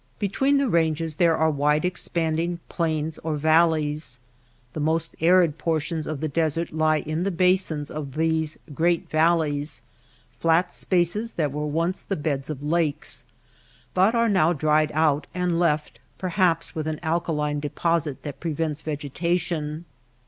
Between the ranges there are wide expanding plains or valleys. The most arid portions of the desert lie in the basins of these great valleys — flat spaces that were once the beds of lakes, but are now dried out and left perhaps with an alkaline deposit that pre vents vegetation.